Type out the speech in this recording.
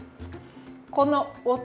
この音！